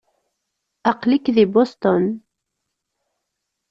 Aql-ik deg Boston.